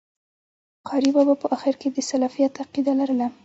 قاري بابا په آخري عمر کي د سلفيت عقيده لرله